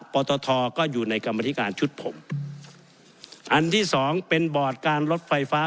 ปตทก็อยู่ในกรรมธิการชุดผมอันที่สองเป็นบอร์ดการลดไฟฟ้า